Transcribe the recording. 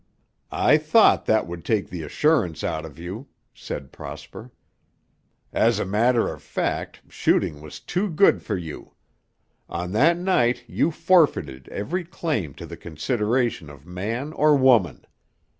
"I thought that would take the assurance out of you," said Prosper. "As a matter of fact, shooting was too good for you. On that night you forfeited every claim to the consideration of man or woman.